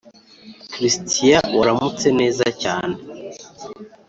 Christian waramutse neza cyane